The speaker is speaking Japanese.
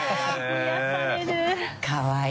かわいい。